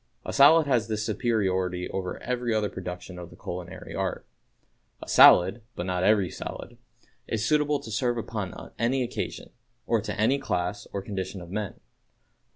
A salad has this superiority over every other production of the culinary art: A salad (but not every salad) is suitable to serve upon any occasion, or to any class or condition of men.